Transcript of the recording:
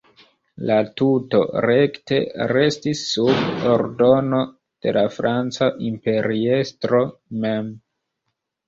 La tuto rekte restis sub ordono de la franca imperiestro mem.